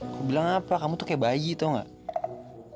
aku bilang apa kamu tuh kayak bayi tuh gak